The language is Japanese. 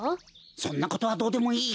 そんなことはどうでもいい！